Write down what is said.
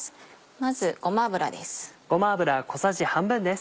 まずごま油です。